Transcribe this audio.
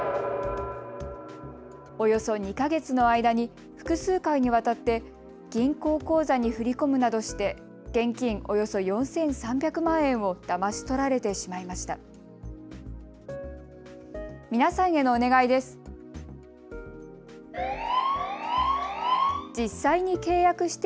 およそ２か月の間に複数回にわたって銀行口座に振り込むなどして現金およそ４３００万円をだまし取られてしまいました。